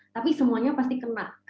tapi semuanya pasti kena